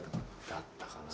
だったかなぁ。